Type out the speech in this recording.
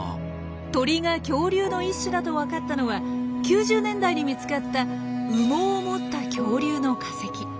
鳥が恐竜の一種だと分かったのは９０年代に見つかった羽毛を持った恐竜の化石。